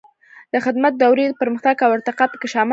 د خدمت دورې پرمختګ او ارتقا پکې شامله ده.